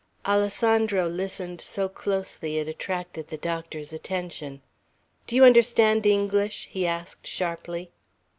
Alessandro listened so closely it attracted the doctor's attention. "Do you understand English?" he asked sharply.